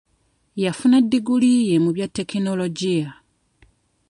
Yafuna diguli ye mu bya tekinologiya.